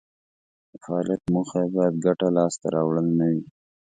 د فعالیت موخه یې باید ګټه لاس ته راوړل نه وي.